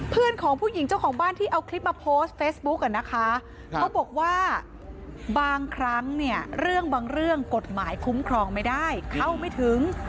เพื่อนของผู้หญิงเจ้าของบ้านที่เอาคลิปมาโพสต์เฟซบุ๊กอ่ะนะคะเขาบอกว่าบางครั้งเนี่ยเรื่องบางเรื่องกฎหมายคุ้มครองไม่ได้เข้าไม่ถึง